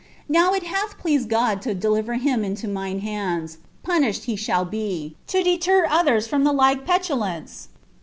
Now ii hath pleft*ed Ooi] to deliver him into niiim haiida, punished he shall be, to ietfr oth<'rs from the like petulance."